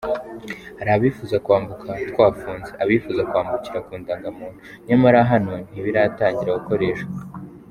Hari abifuza kwambuka twafunze, abifuza kwambukira ku ndangamuntu, nyamara hano ntibiratangira gukoreshwa.